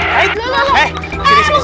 hai kan dodot